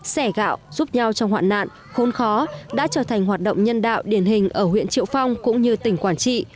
sẻ gạo giúp nhau trong hoạn nạn khôn khó đã trở thành hoạt động nhân đạo điển hình ở huyện triệu phong cũng như tỉnh quảng trị